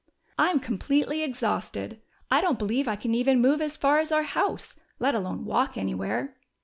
"I'm completely exhausted! I don't believe I can even move as far as our house let alone walk anywhere."